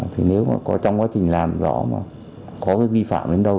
thì nếu mà có trong quá trình làm rõ mà có cái vi phạm đến đâu